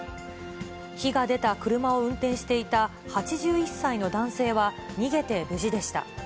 火が出た車を運転していた、８１歳の男性は、逃げて無事でした。